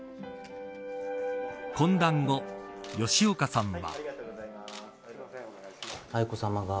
懇談後、吉岡さんは。